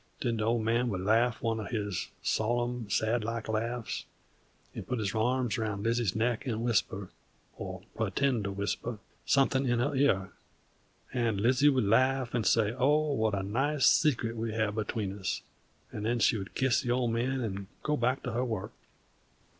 Then the Old Man would laff one of his sollum, sad like laffs, 'nd put his arms round Lizzie's neck 'nd whisper or pertend to whisper somethin' in her ear, 'nd Lizzie would laff 'nd say, "Oh, what a nice secret we have atween us!" and then she would kiss the Old Man 'nd go back to her work.